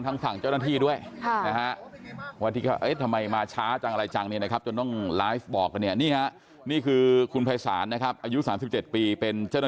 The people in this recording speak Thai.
ตัดสินใจแล้วคือดีไม่ดีไม่รู้แหละจะมีผลดีหรือผลเสียกลับมาก็ไม่รู้แหละ